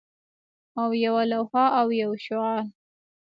او یوه لوحه او یو شعار